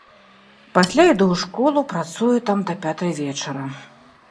Пасля іду ў школу, працую там да пятай вечара.